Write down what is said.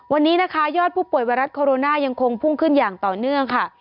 วันนี้นะคะยอดผู้ป่วยไวรัสโคโรนายังคงพุ่งขึ้นอย่างต่อเนื่องค่ะ